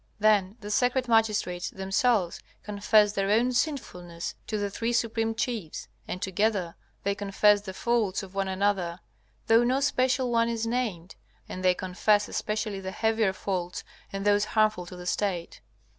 Then the sacred magistrates themselves confess their own sinfulness to the three supreme chiefs, and together they confess the faults of one another, though no special one is named, and they confess especially the heavier faults and those harmful to the State.